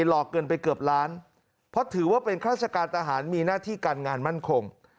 หลอกเงินไปเกือบล้านเพราะถือว่าเป็นข้าราชการทหารมีหน้าที่การงานมั่นคง